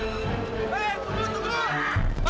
ini barang siapa